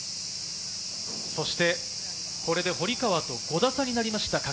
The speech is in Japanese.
そしてこれで堀川と５打差になりました嘉数。